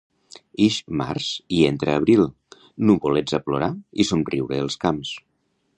Ix març i entra abril, nuvolets a plorar i somriure els camps.